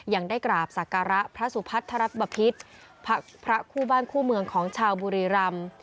อย่างได้กราบสักการะพระสุพัฒน์ธรรมพิษพระพระคู่บ้านคู่เมืองของชาวบุรีรัมน์